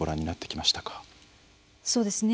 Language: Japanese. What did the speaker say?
そうですね